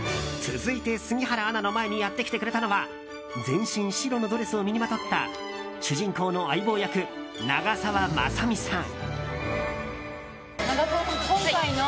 続いて、杉原アナの前にやってきてくれたのは全身白のドレスを身にまとった主人公の相棒役長澤まさみさん。